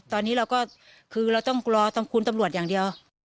ตอนนี้เราก็คือเราต้องรอคุณตำรวจอย่างเดียว